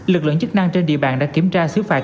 lực lượng chức năng trên địa bàn đã kiểm tra xứ phạt